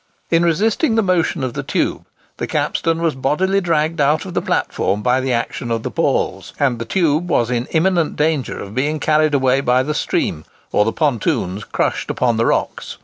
In resisting the motion of the tube, the capstan was bodily dragged out of the platform by the action of the palls, and the tube was in imminent danger of being carried away by the stream, or the pontoons crushed upon the rocks.